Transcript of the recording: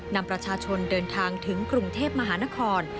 นำประชาชนเดินทางถึงกรุงเทพมหานคร